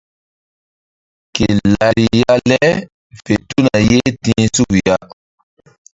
Ke lariya le fe tuna ye ti̧h suk ya.